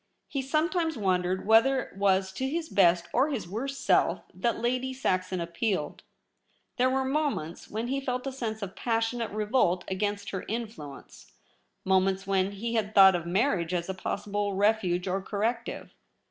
He sometimes wondered whether it was to his best or his worst self that Lady Saxon appealed. There were moments when he felt a sense of passionate revolt against her influence, moments when he had thought of marriage as a possible refuge or corrective.